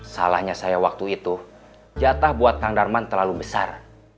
salahnya saya waktu itu jatah buat kang darman terlalu besar